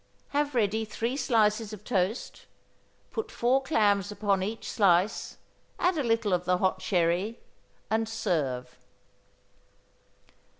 Have ready three slices of toast, put four clams upon each slice, add a little of the hot sherry, and serve.